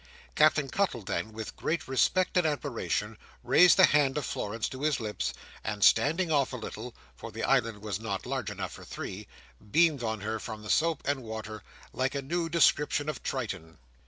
Captain Cuttle, then, with great respect and admiration, raised the hand of Florence to his lips, and standing off a little (for the island was not large enough for three), beamed on her from the soap and water like a new description of Triton.